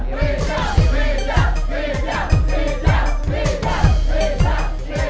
bang m escola lempa diri